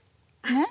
ねっ。